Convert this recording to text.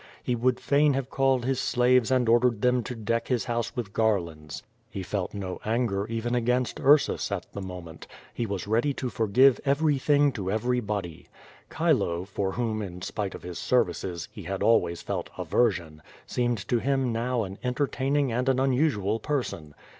He would fain have called his slaves and ordered them to deck his house with garlands. He felt no anger even against Ursus at the moment. He was ready to forgive everything to every body. Chilo, for whom, in spite of his services, he had always felt aversion, seemed to him now an entertaining and an unusual person.